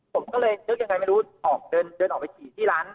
ผมก็เลยไม่รู้ออกเดินเดินออกไปสี่ร้าน